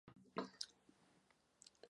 Koncová fáze nastává po orgasmu.